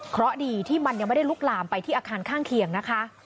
เพราะดีที่มันยังไม่ได้ลุกลามไปที่อาคารข้างเคียงนะคะ